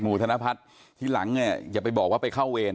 หมู่ธนภัษย์ที่หลังอย่าบอกว่าไปเข้าเวน